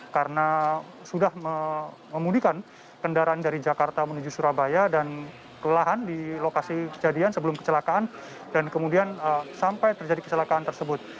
karena sudah memudikan kendaraan dari jakarta menuju surabaya dan kelelahan di lokasi kejadian sebelum kecelakaan dan kemudian sampai terjadi kecelakaan tersebut